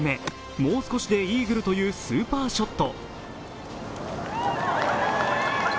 もう少しでイーグルというスーパーショット。